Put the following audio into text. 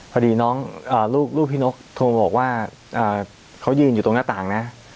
พอดีน้องลูกพี่นกโทรบอกว่าเขายืนอยู่ตรงหน้าต่างนะ